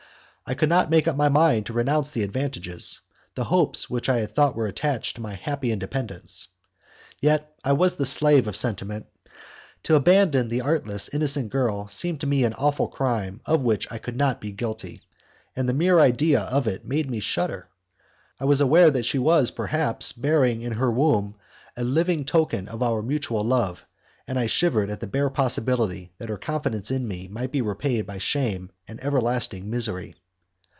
I could not make up my mind to renounce the advantages, the hopes which I thought were attached to my happy independence. Yet I was the slave of sentiment. To abandon the artless, innocent girl seemed to me an awful crime of which I could not be guilty, and the mere idea of it made me shudder. I was aware that she was, perhaps, bearing in her womb a living token of our mutual love, and I shivered at the bare possibility that her confidence in me might be repaid by shame and everlasting misery.